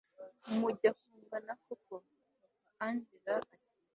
mujya kungana koko papa angella ati